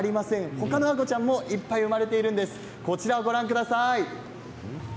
他の赤ちゃんもいっぱい生まれているんです。